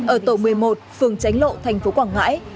ở tổ một mươi một phường tránh lộ tp quảng ngãi